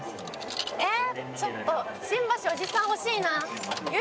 ちょっと新橋おじさん欲しいな。